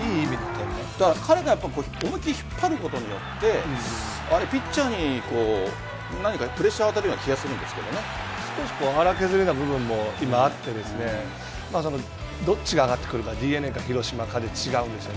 彼が思い切り引っ張ることによってピッチャーにプレッシャーを与えるような気が荒削りな部分もあってどっちが上がってくるかＤｅＮＡか広島かで違ってくる。